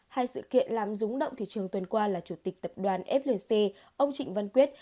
hai sự kiện làm rúng động thị trường tuần qua là chủ tịch tập đoàn flc ông trịnh văn quyết